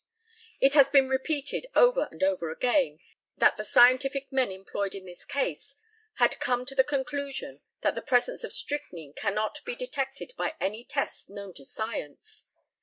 It has been repeated over and over again that the scientific men employed in this case had come to the conclusion that the presence of strychnine cannot be detected by any tests known to science.